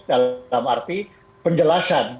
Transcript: dalam arti penjelasan